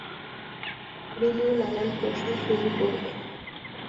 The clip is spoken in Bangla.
বিলু নানান প্রশ্ন শুরু করবে।